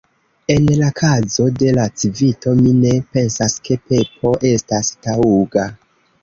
En la kazo de la Civito mi ne pensas ke Pepo estas taŭga.